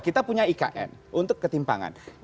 kita punya ikn untuk ketimpangan